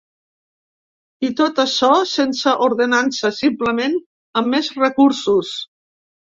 I tot açò sense ordenança, simplement amb més recursos.